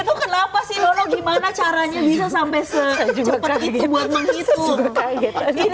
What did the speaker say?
itu kenapa sih lolo gimana caranya bisa sampai sejuk itu buat menghitung